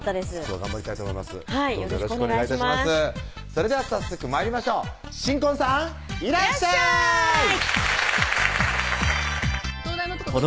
それでは早速参りましょう新婚さんいらっしゃい！